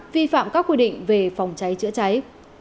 vi phạm các quy định về phòng cháy chữa cháy